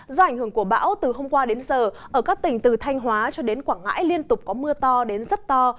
do ảnh hưởng của bão từ hôm qua đến giờ ở các tỉnh từ thanh hóa cho đến quảng ngãi liên tục có mưa to đến rất to